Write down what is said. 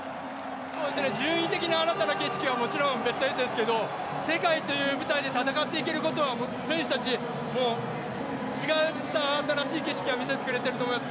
順位的な新たな景色はもちろんベスト８ですけど世界という舞台で戦っていけることを選手たち、違った新しい景色を見せてくれてると思います